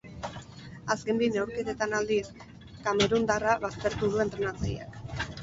Azken bi neurketetan aldiz, kamerundarra baztertu du entrenatzaileak.